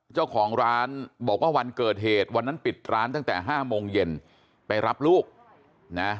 เจ้าของร้านบอกว่าวันเกิดเหตุวันนั้นปิดร้านตั้งแต่ห้าโมงเย็นไปรับลูกนะ